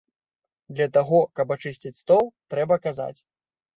Для таго, каб ачысціць стол, трэба казаць.